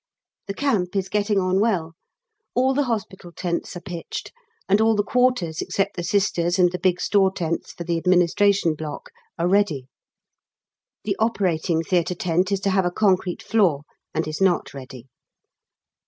The camp is getting on well. All the Hospital tents are pitched, and all the quarters except the Sisters and the big store tents for the Administration block are ready. The operating theatre tent is to have a concrete floor and is not ready.